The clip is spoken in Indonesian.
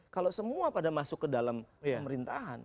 kalau semua pada masuk ke dalam pemerintahan